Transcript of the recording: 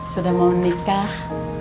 sudah mau nikah